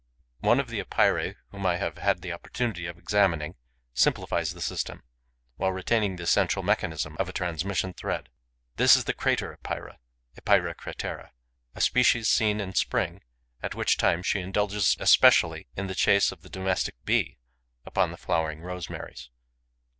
One of the Epeirae whom I have had the opportunity of examining simplifies the system, while retaining the essential mechanism of a transmission thread. This is the Crater Epeira (Epeira cratera, WALCK.), a species seen in spring, at which time she indulges especially in the chase of the Domestic Bee, upon the flowering rosemaries.